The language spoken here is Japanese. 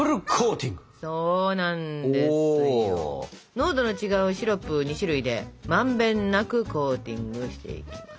濃度の違うシロップを２種類でまんべんなくコーティングしていきます。